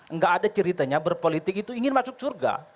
nggak ada ceritanya berpolitik itu ingin masuk surga